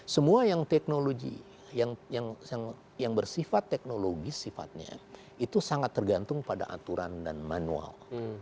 semua yang teknologi yang bersifat teknologis sifatnya itu sangat tergantung pada aturan dan manual